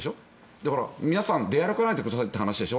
だから、皆さん出歩かないでくださいという話でしょ。